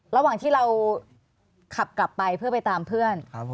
ระหว่างที่เราขับกลับไปเพื่อไปตามเพื่อน